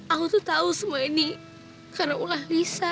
aku tuh tahu semua ini karena ulah lisa